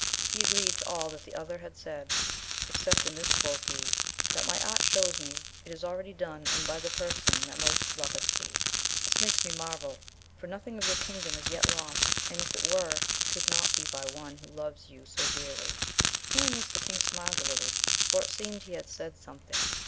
He agreed to all that the other had said, except in this quoth he, that my art shows me* it is already done, and by the person that most loveth ye: this makes me * Mis suertes me muestran. 14 AMADIS OF GAUL. marvel, for nothing of your kingdom is yet lost, and if it were, it could not be by one who loves you so dearly. Hearing this the king smiled a little, for it seemed he had said something.